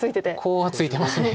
コウはついてます。